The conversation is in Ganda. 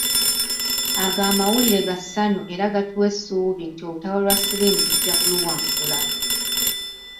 Ago amawulire ga ssanyu era gatuwa essuubi nti olutalo lwa siriimu tujja kuluwangula.